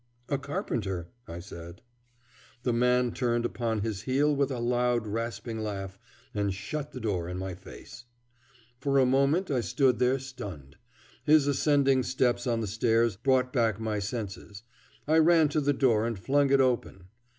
"A carpenter," I said. The man turned upon his heel with a loud, rasping laugh and shut the door in my face. For a moment I stood there stunned. His ascending steps on the stairs brought back my senses. I ran to the door, and flung it open.